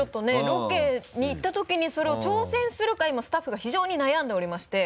ロケに行ったときにそれを挑戦するか今スタッフが非常に悩んでおりまして。